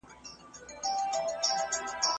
تولیدي مؤسسو مخکې مالونه وارد کړي وو.